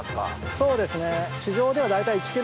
そうですね。